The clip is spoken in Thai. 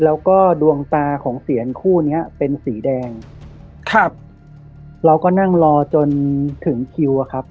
แล้วก็ดวงตาของเสียนคู่เนี้ยเป็นสีแดงครับเราก็นั่งรอจนถึงคิวอะครับ